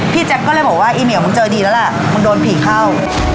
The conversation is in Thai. แจ๊คก็เลยบอกว่าอีเหมียวมึงเจอดีแล้วล่ะมึงโดนผีเข้า